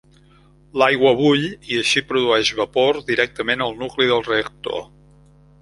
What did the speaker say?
L'aigua bull, i així produeix vapor, directament al nucli del reactor.